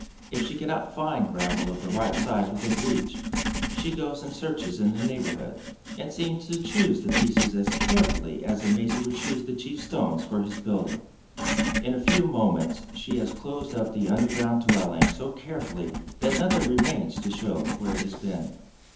If she cannot find gravel of the right size within reach, she goes and searches in the neighborhood, and seems to choose the pieces as carefully as a mason would choose the chief stones for his building. In a few moments she has closed up the underground dwelling so carefully that nothing remains to show where it has been.